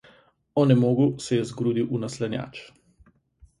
Onemogel se je zgrudil v naslanjač.